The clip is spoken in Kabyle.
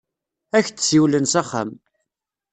Ad ak-d-siwlen s axxam.